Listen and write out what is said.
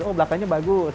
oh belakangnya bagus